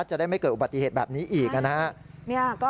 จะได้ไม่เกิดอุบัติเหตุแบบนี้อีกนะครับ